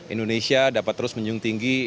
indonesia dapat terus menjun tinggi